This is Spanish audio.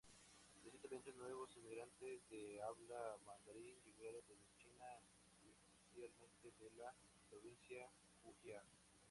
Recientemente, nuevos inmigrantes de habla mandarín llegaron desde China, especialmente de la provincia Fujian.